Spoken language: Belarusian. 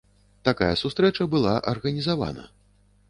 Такая сустрэча была арганізавана.